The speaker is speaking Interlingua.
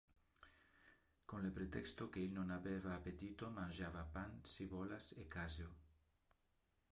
Con le pretexto que il non habeva appetito mangiava pan, cibollas e caseo.